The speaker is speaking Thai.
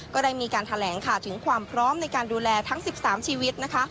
ก็ได้มีการแถลงค่ะถึงความพร้อมในการดูแลทั้ง๑๓ชีวิตนะคะ